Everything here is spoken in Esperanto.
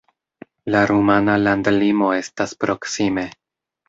La rumana landlimo estas proksime.